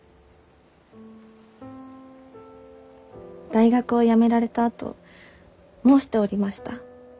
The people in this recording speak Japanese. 大学を辞められたあと申しておりました。